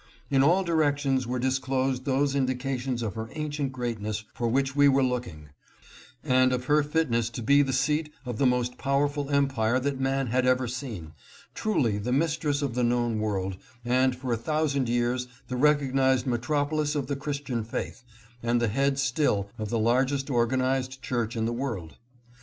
In all directions were disclosed those in dications of her ancient greatness for which we were looking, and of her fitness to be the seat of the most powerful empire that man had ever seen — truly the mistress of the known world and for a thousand years the recognized metropolis of the Christian faith and the head still of the largest organized church in the world.